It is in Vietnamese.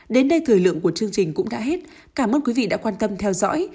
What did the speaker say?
đến đây thời lượng của chương trình cũng đã hết cảm ơn quý vị đã quan tâm theo dõi